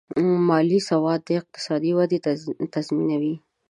مالي سواد د اقتصادي ودې تضمینوي.